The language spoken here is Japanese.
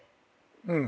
うん。